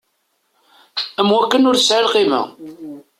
Am wakken ur tesɛi lqima.